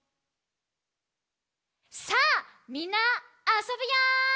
さあみんなあそぶよ！